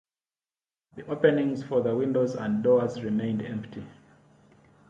The openings for the windows and doors remained empty.